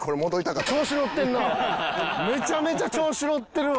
めちゃめちゃ調子乗ってるわ。